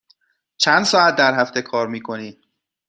چند ساعت در هفته کار می کنی؟